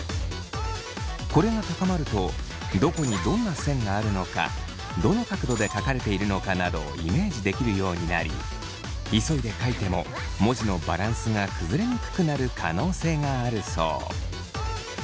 これが高まるとどこにどんな線があるのかどの角度で書かれているのかなどをイメージできるようになり急いで書いても文字のバランスが崩れにくくなる可能性があるそう。